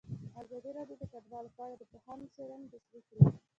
ازادي راډیو د کډوال په اړه د پوهانو څېړنې تشریح کړې.